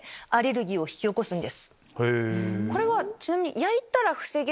これはちなみに。